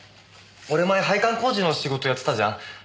俺前配管工事の仕事やってたじゃん？